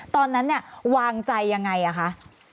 ตอนนั้นวางใจยังไงคะ